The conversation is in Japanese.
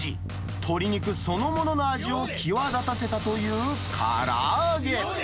鶏肉そのものの味を際立たせたというから揚げ。